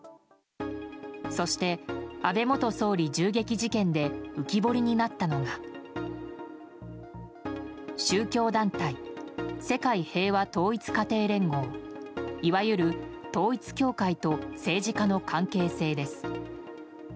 そして、安倍元総理銃撃事件で浮き彫りになったのが宗教団体、世界平和統一家庭連合いわゆる統一教会と政治家の関係性です。